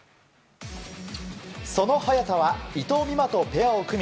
その早田は伊藤美誠とペアを組み